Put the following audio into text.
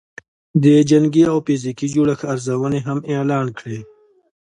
د جنګي او فزیکي جوړښت ارزونې هم اعلان کړې